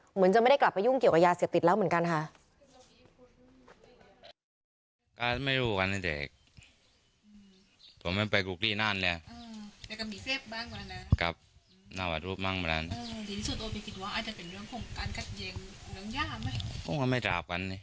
เหมือนจะไม่ได้กลับไปยุ่งเกี่ยวกับยาเสพติดแล้วเหมือนกันค่ะ